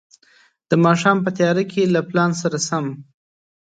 د ماښام په تياره کې له پلان سره سم.